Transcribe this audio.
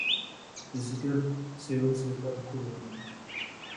د ځګر سیروسس د الکولو له امله کېږي.